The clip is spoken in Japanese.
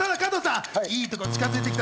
でもいいところ近づいてきた！